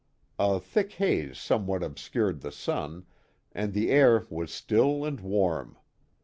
A thick ba« somewhat obscured the sun, and the air was still and wann.